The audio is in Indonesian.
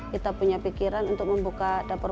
kita punya pikiran untuk membuka dapur